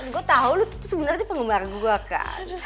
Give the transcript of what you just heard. saya tahu kamu itu sebenarnya penggemar saya kan